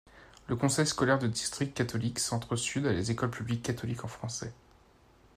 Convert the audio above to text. Le Conseil scolaire de district catholique Centre-Sud a les écoles publiques catholiques en français.